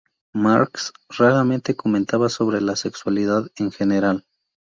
Marx raramente comentaba sobre la sexualidad en general.